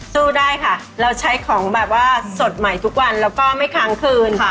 สู้ได้ค่ะเราใช้ของแบบว่าสดใหม่ทุกวันแล้วก็ไม่ค้างคืน